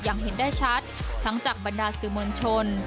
เห็นได้ชัดทั้งจากบรรดาสื่อมวลชน